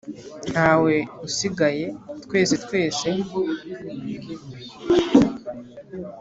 Ntawe usigaye twese twese